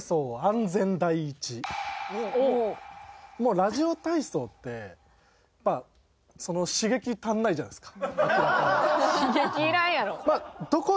ラジオ体操ってやっぱ刺激足りないじゃないですか明らかに。